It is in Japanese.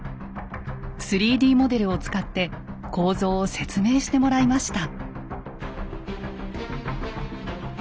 ３Ｄモデルを使って構造を説明してもらいました。